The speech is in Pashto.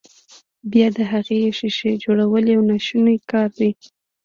بيا بېرته د هغې ښيښې جوړول يو ناشونی کار دی.